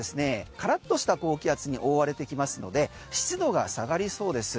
カラッとした高気圧に覆われてきますので湿度が下がりそうです。